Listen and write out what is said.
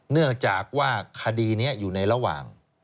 เนื่องจากว่าคดีนี้อยู่ในระหว่าง